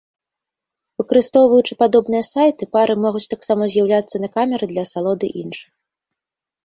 Выкарыстоўваючы падобныя сайты, пары могуць таксама з'яўляцца на камеры для асалоды іншых.